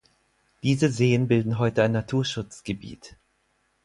Diese Seen bilden heute ein Naturschutzgebiet.